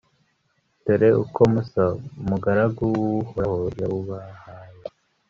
dore uko musa, umugaragu w'uhoraho yawubahaye